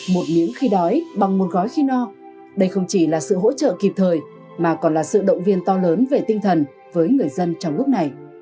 một miếng khi đói bằng một gói khi no đây không chỉ là sự hỗ trợ kịp thời mà còn là sự động viên to lớn về tinh thần với người dân trong lúc này